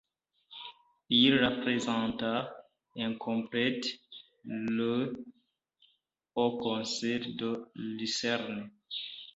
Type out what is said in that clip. Il la présenta, incomplète, le au concile de Lucerne.